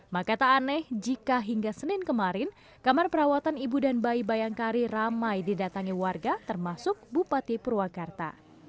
maka tak aneh jika hingga senin kemarin kamar perawatan ibu dan bayi bayangkari ramai didatangi warga termasuk bupati purwakarta